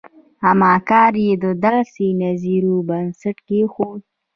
اما کار یې د داسې نظریو بنسټ کېښود.